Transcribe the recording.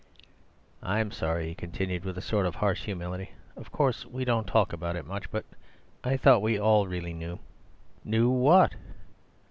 "I'm sorry," he continued, with a sort of harsh humility. "Of course we don't talk about it much... but I thought we all really knew." "Knew what?"